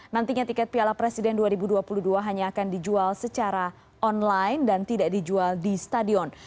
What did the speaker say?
nantinya tiket piala presiden dua ribu dua puluh dua hanya akan dijual secara online dan tidak dijual di stadion